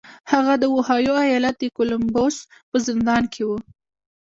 هغه د اوهايو ايالت د کولمبوس په زندان کې و.